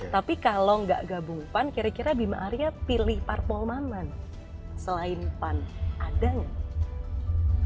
tapi kalau nggak gabung pan kira kira bima arya pilih parpol manan selain pan ada nggak